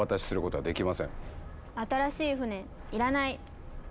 新しい船いらない。